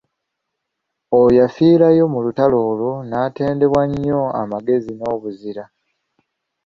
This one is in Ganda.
Oyo yafiirayo mu lutalo olwo ng'atendebwa nnyo amagezi n'obuzira.